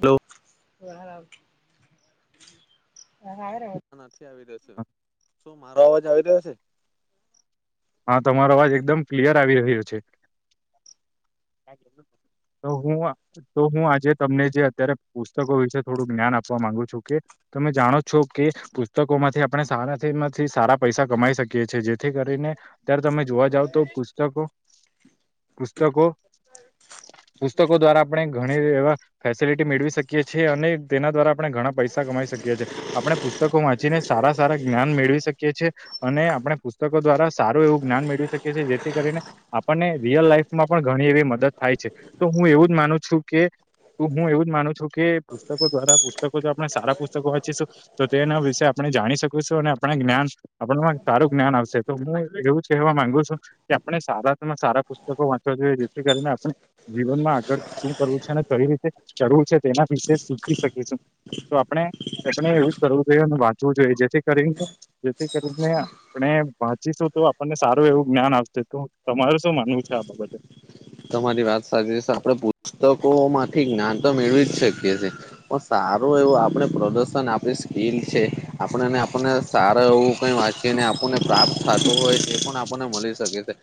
Hello. આવી રહ છે શુ મારો અવાજ આવી રહ્યો છે? હા તમારો અવાજ એકદમ ક્લિયર આવી રહ્યો છે. તો હું આ. તો હું આજે તમને જે અત્યારે પુસ્તકો વિશે થોડું જ્ઞાન આપવા માંગુ છું કે. તમે જાણો છો કે પુસ્તકોમાંથી આપણે સારા શેર માંથી સારા પૈસા કમાઈ શકીએ છે. થી કરીને ત્યાર તમે જોવા જાવ તો પુસ્તકો પુસ્તકો. પુસ્તકો દ્વારા આપણે ઘણી એવા ફેસિલિટી મેળવી શકીએ છીએ અને તેના દ્વા આપણે ઘણા પૈસા કમાઈ શકીએ છીએ આપણે પુસ્તકો વાંચીને સારા સારા જ્ઞાન મેળવી. શકીએ છે અને આપણે પુસ્તકો દ્વારા સારું એવું જ્ઞાન મેળવી શકીએ છીએ જેથી કરીને. આપણને રિયલ લાઈફમાં પણ ઘણી એવી મદદ થાય છે તો હું એવુંજ માનું છું કે. તો હું એવું જ માનું છું કે પુસ્તકો દ્વારા પુસ્તકો તો આપણે સારા પુસ્તકો વાંચી શું. તો તેના વિશે આપણે જાણી શકુંશું અને આપણ જ્ઞાન આપણમાં સારું જ્ઞાન આવશે તો હું. એવુજ કહેવા માંગુ છું કે આપણે સારામાં સારા પુસ્તકો વાંચવા જોઈએ જેથી કરીને આપણે. જીવનમાં આગળ શું કરવું છે અને કઈ રીતે કરવું છે તેના વિશે શીખી શકીશું. તો આપણે આપણે એવુજ કરવું જોઈએ અને વાંચવું જોઈએ જેથી કરીન. જેથી કરીને આપણે વાંચી તો આપણને સારું એવું જ્ઞાન આવશે તો તમારે શું માનવું છે આ બાબત. તમારી વાત સાચી છે આપડે પુસ્તકો માંથી જ્ઞાન તો મેળવીજ શકીએ છે. પણ સારું એવું આપણે પ્રદર્શન આપણી સ્કીલ છે આપણેને આપણને સારા એવું કઈ વાંચીને આપણને પ્રાપ્ત થાતું હોય એ પણ આપણને મળી શકે તે.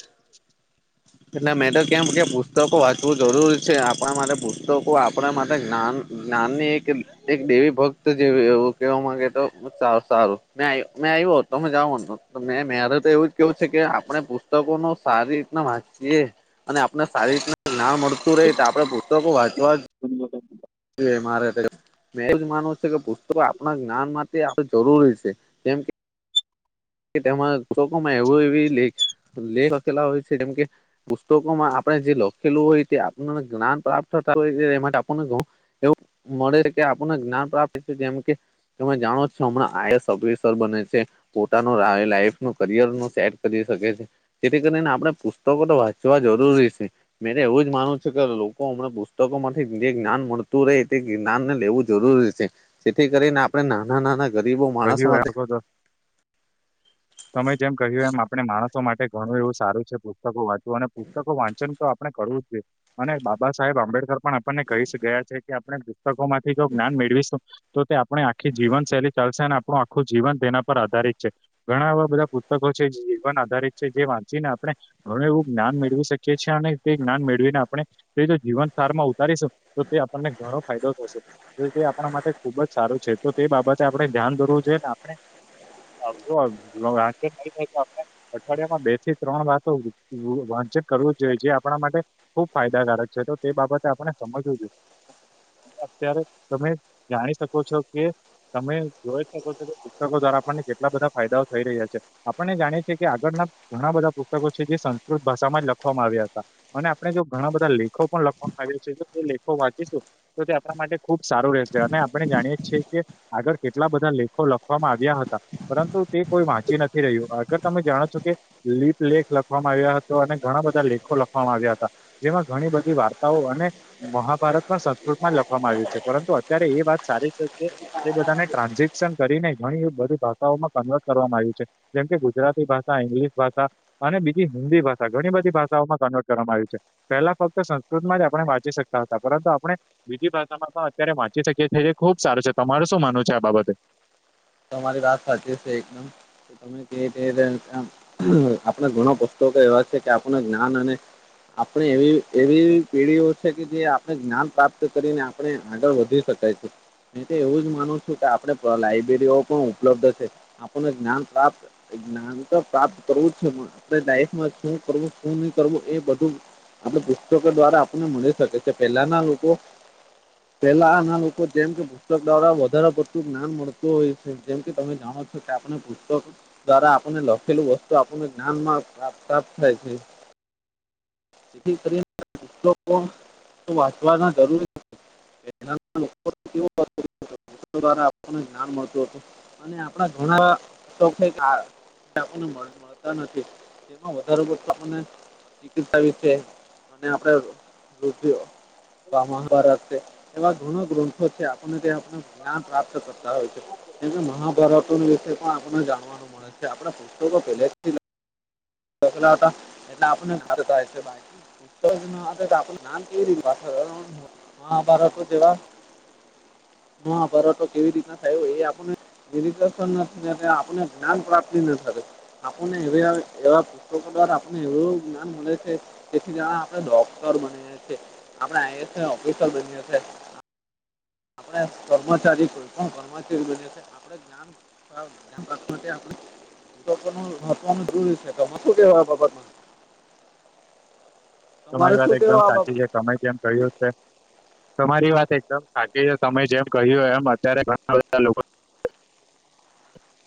એટલા [inaudible] કેમ કે પુસ્તકો વાંચવું જરૂરી છે આપણા માટે પુસ્તકો આપણા માટે જ્ઞાન જ્ઞાનની એક. એક દેવી ભક્ત જે એવું કેહેવા માંગે તો સારું સારું મે મે આવ્યો તમે જાઓ. મેં મેરે તો એવુંજ કેવું છે કે આપણે પુસ્તકો ન સારી રીતના વાંચીએ. અને આપને સારી રીતના [unintelligible] મળતું રહે તો આપણે પુસ્તકો વાંચવા. [inaudible] મારે મેં એવુજ માનું છે કે પુસ્તકો આપણા જ્ઞાન માંથી. જરૂરી છે કેમ કે તેમાં ચોખમાં એવું એવી લેખ. લેહકલા હોય છે જેમ કે. પુસ્તકોમાં આપણે જે લખેલું હોય તે આપને જ્ઞાન પ્રાપ્ત થતા હોય એ એ માટે આપને. એવું મળે છે કે આપણને જ્ઞાન પ્રાપ થાઈ જેમ કે. તમે જાણો છો હમણાં આઈ એસ ઓફિસર બને છે.. પોતાનું લાઈફ ન કરયર નું સેટ કરી શકે છે. જેથી કરીને આપણે પુસ્તકો તો વાંચવા જરૂરી છે. મેરે એવું જ માનવું છે કે લોકો હમને પુસ્તકો થી જે જ્ઞાન મળતું. રહે એ તે જ્ઞાનને લેવું જરૂરી છે જેથી કરીને આપણે નાના નાના ગરીબો માણસો કહ્યું એ માટે આગળ તમે જેમ કહ્યું એમ આપણે માટે ઘણું એવું સારું છે પુસ્તકો વાંચવું અને પુસ્તકો વાંચન તો આપણે કરવુંજ જઈએ અને બાબા સાહેબ આંબેડકર પણ આપણને કહી સ ગયા છે કે આપડે પુસ્તકો માંથી જો જ્ઞાન મેળવીશું તો તે આપણે આખી જીવનશૈલી ચાલસેન આપણું આખું જીવન તેના પર આધારિત છે. ઘણા આવા બધા પુસ્તકો છે જીવન આધારિત છે જે વાંચીને આપણે હવે એવું જ્ઞાન મેળવી શકીએ છીએ અને તે જ્ઞાન મેળવીને આપણે એ જીવન સાર માં ઉતારીશું તો તે આપણને ઘણો ફાયદો થશે તો તે આપણા માટે ખુબજ સારું છે તો તે બાબતે આપણે ધ્યાન ધરવું જોઈએ ને આપણે અબ જો [unintelligible] અઠવાડિયામાં બે થી ત્રણ વાર તો [unintelligible] વાંચક કરવુંજ જોઈએ જે આપણા માટે ખુબ ફાયદાકારક છે તો તે બાબતે આપણે સમજવું જોઈએ અત્યારે તમે જાણી શકો છો કે તમે જોઈ જ શકો છો કે પુસ્તકો દ્વારા આપણને કેટલા બધા ફાયદાઓ થઈ રહ્યા છે. આપણને જાણીએ છીએ કે આગળના ઘણા બધા પુસ્તકો છે જે સંસ્કૃત ભાષામાં જ લખવામાં આવ્યા હતા. અને આપણે જો ઘણા બધા લેખો પણ લખવામાં આવ્યા છે એ લેખો વાંચીશું. તો તે આપણા માટે ખુબ સારું રહેશે અને આપણે જાણીએ છીએ કે. આગળ કેટલા બધા લેખો લખવામાં આવ્યા હતા. પરંતુ તે કોઈ વાંચી નથી રહ્યું આગર તમે જાણો છો કે લીપલેેખ લખવામાં આવ્યા હતો અને ઘણા બધા લેખો લખવામાં આવ્યા હતા. જેમાં ઘણી બધી વાર્તાઓ અને મહાભારતમાં સંસ્કૃતમાં જ લખવામાં આવ્યું છે પરંતુ અત્યારે એ વાત સારી છે કે બધાને ટ્રાન્ઝક. શિક્ષણ કરીને ઘણી બધી ભાષાઓમાં કન્વર્ટ કરવામાં આવ્યું છે જેમ કે ગુજરાતી ભાષા ઇંગ્લિશ ભાષા. અને બીજી હિન્દી ભાષા ઘણી બધી ભાષાઓમાં કન્વર્ટ કરવામાં આવ્યું છે. પહેલા ફક્ત સંસ્કૃતમાં જ આપણે વાંચી શકતા હતા પરંતુ આપણે. બીજી ભાષામાં પણ અત્યારે વાંચી શકીએ છીએ ખુબ સારું છે તમાર શું માનું છે આ બાબતે. તમારી વાત સાચી છે એકદમ. તમે કે આપણે ઘણ પુસ્તકો એવા છે કે આપણ જ્ઞાન અને. આપણે એવી એવી પેઢીઓ છે કે જે આપણે જ્ઞાન પ્રાપ્ત કરીને. આપ આગળ વધી શકાય છે તો એવું જ માનું છું કે આપડે લાઈ. પણ ઉપલબ્ધ છે આપણને [unintelligible] ન પ્રાપ્ત. જ્ઞાન તો પ્રાપ્ત કરવું જ છે આપણે લાઈફમાં શું કરવું શું નહી કરવું એ બધું. આપ પુસ્તકો દ્વારા આપણને મળી શકે છે પેલાના લોકો. પેલા નાના લોકો જેમ કે પુસ્તક દ્વારા વધારે પડતું જ્ઞાન મળ. તો જેમ કે તમે જાણો છો કે આપને પુસ્તક. દ્વારા આપણને લખેલું વસ્તુ આપણને જ્ઞાન માં પ્રાપ્ત થાય છે. જેથી કરીને વાંચવાના જરૂરી. [unintelligible] મળતું હતું. અને આપણા ઘણાખને મળતા નથી. તેમાં વધ બને ચિકિતસ છે અને આપણે રધિ. મહાભારત છે એવા ઘણો ગ્રંથો છે આપને તે આપ જ્ઞાન પ્રાપ્ત થ મહાભારતો વિશે પણ આપણને જાણવાનું મળે છે આપડા પુસ્તકો પહેલેથી. લા હતા એટલે આપણને થ છે બા તો આપ [unintelligible] મહાભારત જેવા હ ફરો તો કેવી રીતના થાય એ આપને [unintelligible] આપણને જ્ઞાન પ્રાપ્તિ ન થાય આપણને [unintelligible] એવા પુસ્તકો દ્વારા આપને એવું જ્ઞાન મળે છે કેથી આપણે ડોક્ટર બનિયે છે. આપડે આઈએસ ઓફિસર બનીયે છે. આપણે કર્મચારી કોઈ પણ કર્મચારી બને છે આપડે જ્ઞાન મ ક આપ દૂરશે તો મસું હો બાબતમાં [unintelligible] તમારે તમારી વાત શું એકદમ કહેવા આ સાચી બાબત છે તમે જેમ કહ્યું છે. તમારી વાત એકદમ સાચી છે, તમે જેમ કહ્યું એમ અત્યારે ઘણા બધા લોકો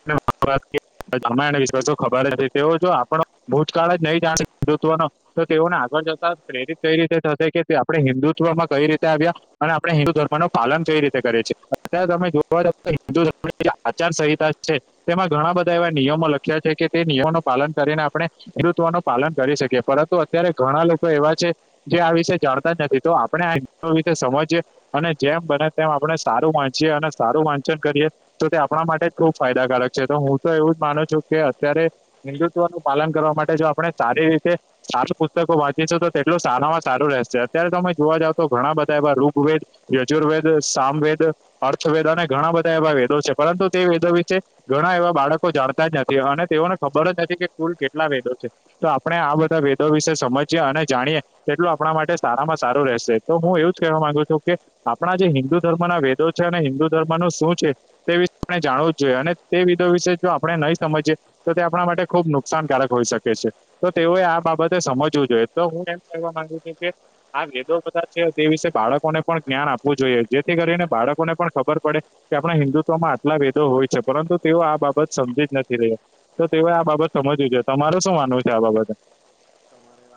[inaudible] [unintelligible] એને વિશ તો ખબર જ છે તેવ જો [inaudible] તો તેઓને આગળ જતા પ્રેરિત કઈ રીતે થશે કે આપણે હિન્દુત્વમાં કઈ રીતે આવ્યા અને આપણે હિન્દુ ધર્મનું પાલન કઈ રીતે કરએ છીએ અત્યારે તમે જો વા જાવ ત હિન્દુ ધર્મ આચાર સંંહિતા છે, તેમાં ઘણા બધા એવા નિયમો લખ્યા છે, કે તે નિયમોનું પાલન કરીને આપણે ખેડુત્વ ન પાલન કરી શકીએ પરંતુ અત્યારે ઘણા લોકો એવા છે. જે આ વિષે જાણતા જ નથી તો આપણે આ [unintelligible] સમજીએ અને જેમ બને તેમ આપણે સારું વાંચીએ અને સારું વાંચન કરીએ તો તે આપણા માટે ખુબ ફાયદાકારક છે, તો હું તો એવું જ માનું છું કે અત્યારે હિન્ંદુત્વનું પાલન કરવા માટે જો આપણે સારી રીતે સારું પુસ્તકો વાંચીશુ તો તેટલું સારામાં સારું રહેશે અત્યારે તમે જોવા જાવ તો ઘણા બધા એવા રૂગવેદ યજુર્વેદ, સામવેદ, અર્થવેદ અને ઘણા બધા એવા વેદો છે, પરંતુ તે વેદો વિચે ઘણા એવા બાળકો જાણતા જ નથી અને તેઓને ખબર જ નથી કે કુલ કેટલા વેદો છે. તો આપણે આ બધા વેદો વિશે સમજીએ અને જાણીયે તેટલું આપણા માટે સારામાં સારું રહેશે તો હું એવું જ કહેવા માંગુ છું કે આપણા જે હિન્દુ ધર્મના વેદો છે, અને હિન્દુ ધર્મ નું શું છે. તે આપણે જાણવું જ જોઈએ અને તે વિદો વિશે જો આપણે નહીં સમજીએ તો તે આપણા માટે ખુબ નુકસાનકારક હોઈ શકે છે. તો તેઓએ આ બાબતે સમજવું જોઈએ તો હું એમ કહેવા માંગુ છું કે આ વેદો બધા છે, તે વિશે બાળકોને પણ જ્ઞાન આપવું જોઈએ જેથી કરીને બાળકોને પણ ખબર પડે કે આપણા હિન્દુત્વમાં આટલા ભેદો હોય છે, પરંતુ તેઓ આ બાબત સમજી જ નથી રહ્યા તો તેઓએ આ બાબત સમજવી છે, તમારુ શું માનવું છે, આ બાબતે? તમારી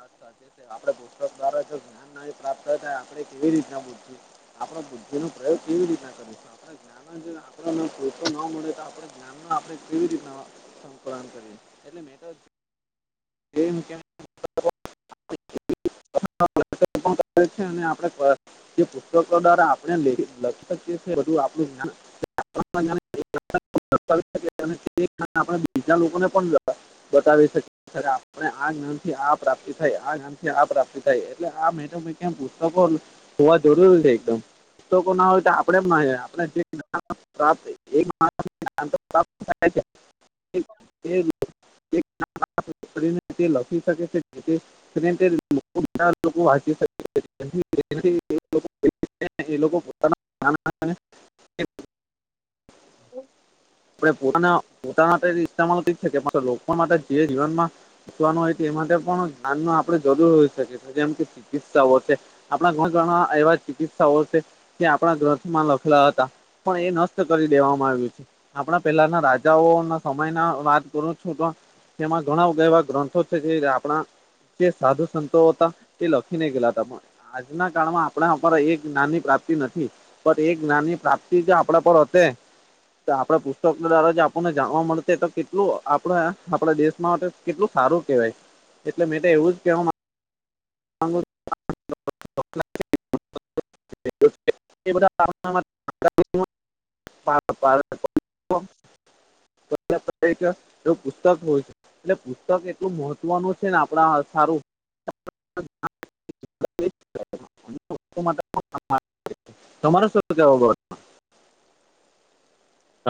આપણે પુસ્તક દ્વારા જો જ્ઞાનના પ્રાપ્ત થાય આપણે કેવી રીતના ભૂલએ આપણા બુદ્ધિનો પ્રયોગ કેવી રીતના કરીશું જ્ઞાનનો જો આપણ પુરતો ન મળે તો આપણે જ્ઞાનમાં આપણે કેવી રીતના [unintelligible] એટલે મે ત [inaudible] [unintelligible] છે, અને આપડે જે પુસ્તકો દ્વારા આપણે લખી શકીએ છીએ બધું આપું જ [unintelligible] [inaudible] બતાવી શકીએ આપણે આ જ્ઞાનથી આ પ્રાપ્તિ થાય આ જ્ઞાનથી આ પ્રાપ્તિ થાય એટલે આ મે તો મે કેમ પુસ્તકો હોવા જરૂરી છે, એકદમ પુસ્તકોના હોય તો આપડે ના આપણે [inaudible] [inaudible] [unintelligible] તે લખી શકે છે, જે [unintelligible] [inaudible] એ લોકો પોતાના [unintelligible] આપણે પોતાના પોતાના [unintelligible] લોકો માટે જે જીવનમાં પૂછવાનું હોય તો એ માટે પણ ધ્યાન ન આપડે જરૂર હોઈ શકે જેમ કે ચિકિત્સાઓ છે, આપણા [unintelligible] એવા ચિકિત્સાઓ છે. જે આપણા ગ્રંથમાં લખેલા હતા પણ એ નષ્ટ કરી દેવામાં આવ્યું છે. આપણા પેલાના રાજાઓ ના સમય ના વાત કરું છું તો તેમાં ઘણા એવા ગ્રંથો છે, જે આપણા જે સાધુ સંતો હતા તે લખી ને ગેલા હતા પણ આજના કાળમાં આપણે અ એક નાની પ્રાપ્તિ નથી પણ એ જ્ઞાનની પ્રાપ્તિ જે આપણા પર હશે આપણે પુસ્તકો દ્વારા જે આપણને જાણવા મળતે તો કેટલું આપણે આપડા દેશ માટે કેટલું સારું કેવાય એટલે મે તો એવું જ કેવા - [inaudible] [inaudible] [unintelligible] એટલે પુસ્તક એટલું મહત્વનું છે ને આપડા સારું- [inaudible] [unintelligible]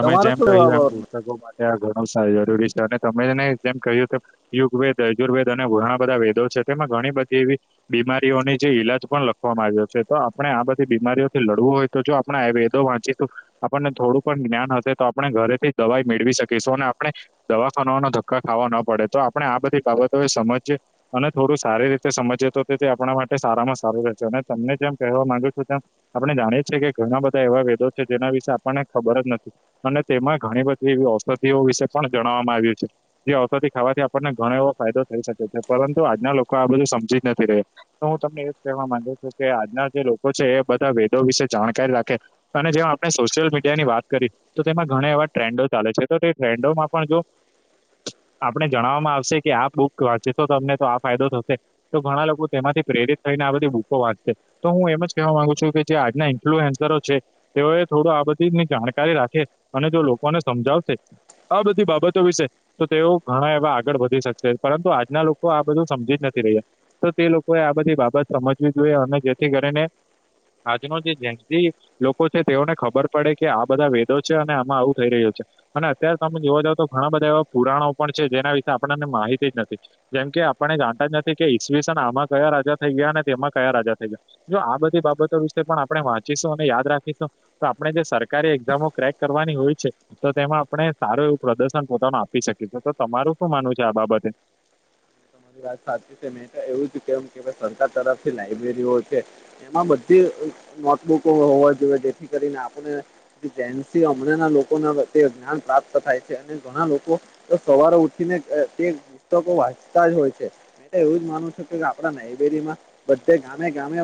તમે જેમ શું કેવા કહ્યું એમ પુસ્તકો માટે આ ઘણું જરૂરી છે અને તમેને જેમ કહ્યું કે- યુગવેેદ યુર્વેદ અને ઘણા બધા વેદો છે તેમાં ઘણી બધી એવી- બીમારીઓની જે ઈલાજ પણ લખવામાં આવ્યો છે તો આપણે આ બધી બીમારીઓથી લડવું હોય- તો જો આપણે આયુર્વેદો વાંચીએ તો આપણને થોડુંક- પણ જ્ઞાન હશે તો આપણે ઘરેથી દવાઈ મેળવી શકીશું અને આપણે દવાખાનાના ધક્કા ખાવા ન પડે તો આપણે આ બધી બાબતો ને સમજીએ અને થોડું સારી રીતે સમજીએ તો તે આપણા માટે સારામાં સારું રહે જેમને ગમે તેમ કહેવા માગીએ તેમ આપણે જાણીએ છીએ કે ઘણા બધા એવા વેદો છે જેના વિશેે આપણને ખબર જ નથી. અને તેમાં ઘણી બધી એવી ઔષધિઓ વિશે પણ જણાવવામાં આવ્યું છે. જે અવસથી ખાવાથી આપણને ઘણો એવો ફાયદો થઈ શકે છે પરંતુ આજના લોકો આ બધું સમજી જ નથી રહ્યા. તો હું તમને એવજ કહેવા માંગુ છું કે આજના જે લોકો છે એ બધા વેદો વિશે જાણકારી રાખે અને જેમ આપણે સોશિયલ મી ની વાત કરી તો તેમાં ઘણા એવા ટ્રેન્ડો ચાલે છે તો તે ટ્રેન્ડોમાં પણ જો આપણે જણાવવામાં આવશે કે આ બુક વાંચએ તો તમને આ ફાયદો થશે. તો ઘણા લોકો તેમાંથી પ્રેરિત થઈને આ બધી બુકો વાંચશે. તો હું એમ જ કહેવા માંગુ છું કે જે આજના ઇન્ફ્લુએન્ઝરો છે તેઓએ થોડું આ બધું ની જાણકારી રાખે અને જો લોકોને સમજાવશે આ બધી બાબતો વિશે તો તેઓ ઘણા એવા આગળ વધી શકશે પરંતુ આજના લોકો આ બધું સમજી જ નથી રહ્યા. તો તે લોકોએ આ બધી બાબત સમજવી જોઈએ અને જેથી કરીને આજનો જે જેન્સઝી લોકો છે તેઓને ખબર પડે કે આ બધા વેદો છે અને આમાં આવું થઈ રહ્યું છે. અને અત્યારે તમે જોવા જાવ તો ઘણા બધા એવા પુરાણો પણ છે જેના વિશેે આપણને માહિતી જ નથી. જેમ કે આપને જાણતા જ નથી કે ઇસવીસન આમાં કયા રાજા થઈ ગયા અને તેમાં કયા રાજા થઈ ગયા. જો આ બધી બાબતો વિશે પણ આપણે વાંચીશું અને યાદ રાખીશું તો આપણે જે સરકારી એક્ઝામો ક્રેક કરવાની હોય છે તો તેમાં આપણે સારું એવું પ્રદર્શન પોતાનું આપી શકીએ છે તો તમારું શું માનવું છે આ બાબતે? મારી વાત સાચી છે મેં તો એવું જ કેમ કે સરકાર તરફથી લાઈબ્રેરીઓ છે એમાં બધી નોટબુકો હોવા જોઈએ જેથી કરીને આપણે - જેમથી હમણાં ના લોકો ના પ્રત્યે જ્ઞાન પ્રાપ્ત થાય છે અને ઘણા લોકો તો સવારે ઉઠી ને તે પુસ્તકો વાંચ હોય છે મૈં તો એવું માનું છું કે આપડા લબરીમાં બધે ગામે ગામે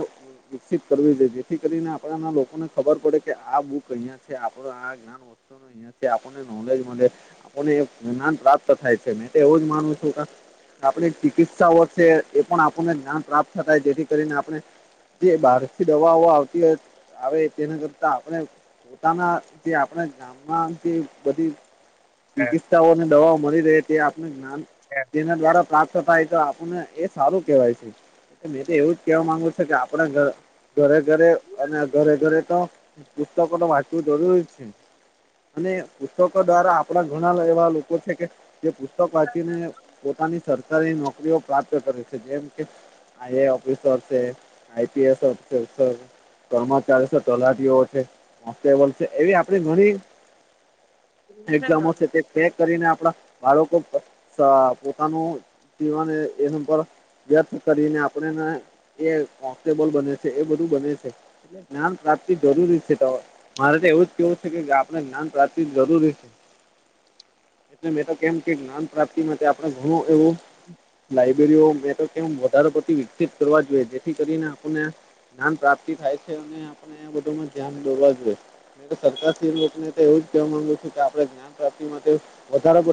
વિકસિત કરવી જોઈ જેથી કરીને આપણાના લોકોને ખબર પડે કે આ બુક અહીંયા છે આપણો આ [unintelligible] આપણને જ્ઞાન પ્રાપ્ત થાય છે મે તો એવું જ માનું છું કે આપણી ચિકિત્સાઓ વધશે એ પણ આપણને જ્ઞાન પ્રાપ્ત થાય જેથી કરીને આપણે જે બહારથી દવાઓ આવતી હોય આવે તેના કરતા આપણે પોતાના જે આપણે ગામમાં જે બધું ચિકિત્સાઓને દવાઓ મળી રહે તે આપનું જ્ઞાન તેના દ્વારા પ્રાપ્ત થાયતો આપણને એ સારું કેવાય છે. મેં તો એવું જ કેવા માંગુ છે કે આપણા ઘરે ઘરે અને ઘરે ઘરે તો પુસ્તક તો વાચવુ જરૂરી જ છે. અને પુસ્તકો દ્વારા આપણા ઘણા એવા લોકો છે કે જે પુસ્તક વાચીને પોતાની સરકારી નોકરીઓ પ્રાપ્ત કરે છે જેમ કે આઈ એ ઓફિસર છે આઈપીએસ ઓફિસરસ છે. કર્મચારીસો તલાટીઓ છે કોન્સ્ટેબલ છે એવી આપણી ઘણી એક્ઝામો છે તે પેક કરીને આપણા બાળકો પોતાનું - [unintelligible] વ્યર્થ કરીને આપણેને એ કોન્સ્ટેબલ બને છે એ બધું બને છે એટલે જ્ઞાન પ્રાપ્તિ જરૂરી છે તો મારે એવું જ કેવું છે કે આપણે જ્ઞાન પ્રાપ્તિ જરૂરી છે. એટલે મે તો કેમ કે જ્ઞાન પ્રાપ્તિ માટે આપણે ઘણું એવું [inaudible] લાઈબ્રેરીઓ [unintelligible] વધારે પડતી વિકસિત કરવા જોઈએ જેથી કરીને આપણને જ્ઞાન પ્રાપ્તિ થાય છે એની આપણને બધાને ધ્યાન દોરવા જોઈએ. સરકારશીલ લોકોને તો એવું જ કવા માંગુ છું કે આપણે જ્ઞાન પ્રાપ્તિ માટે વધારે [unintelligible]